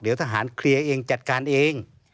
เดี๋ยวทหารเคลียร์เองจัดการเอง